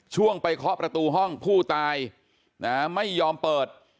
ช่วงไปเคาะประตูห้องผู้ตายไม่ยอมเปิด